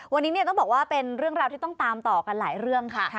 วันนี้ต้องบอกว่าเป็นเรื่องราวที่ต้องตามต่อกันหลายเรื่องค่ะ